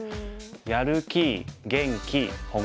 やる気元気本気。